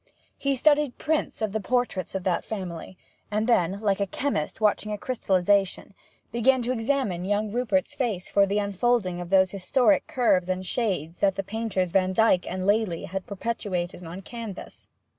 He studied prints of the portraits of that family, and then, like a chemist watching a crystallization, began to examine young Rupert's face for the unfolding of those historic curves and shades that the painters Vandyke and Lely had perpetuated on canvas.